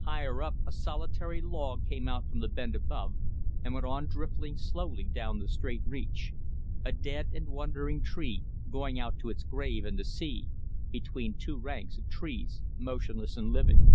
Higher up, a solitary log came out from the bend above and went on drifting slowly down the straight reach: a dead and wandering tree going out to its grave in the sea, between two ranks of trees motionless and living.